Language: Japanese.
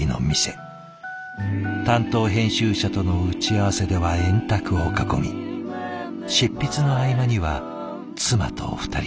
担当編集者との打ち合わせでは円卓を囲み執筆の合間には妻と２人で。